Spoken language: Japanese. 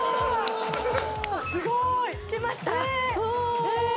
すごい！きました？